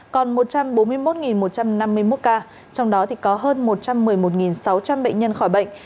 còn một trăm bốn mươi một một trăm năm mươi một ca trong đó thì có hơn một trăm một mươi một sáu trăm linh bệnh nhân khỏi bệnh